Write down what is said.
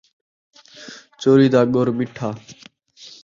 چوری دا ڳُڑ مٹھا